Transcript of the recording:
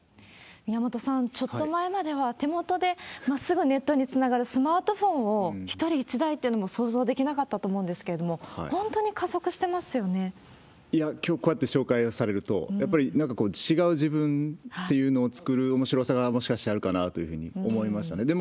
宮本さん、ちょっと前までは、手元ですぐネットにつながるスマートフォンを、１人１台というのも想像できなかったと思うんですけれども、本当いや、きょうこうやって紹介されると、やっぱりなんかこう、違う自分っていうのを作るおもしろさがもしかしてあるのかなと思いましたね。